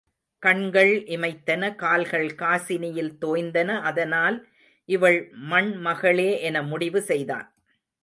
கண்கள் இமைத்தன கால்கள் காசினியில் தோய்ந்தன அதனால் இவள் மண்மகளே என முடிவு செய்தான்.